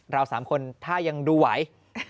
เรา๓คนถ้ายังดูไหว